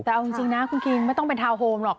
แต่เอาจริงนะคุณคิงไม่ต้องเป็นทาวน์โฮมหรอก